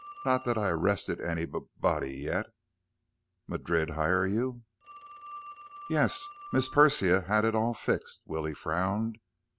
Not that I arrested anyb body yet." "Madrid hire you?" "Yes. Miss P Persia had it all fixed." Willie frowned.